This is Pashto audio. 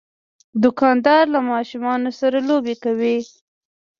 دوکاندار له ماشومان سره لوبې کوي.